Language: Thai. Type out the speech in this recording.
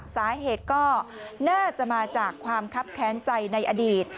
สาเหตุก็น่าจะมาจากความคับแค้นใจในอดีต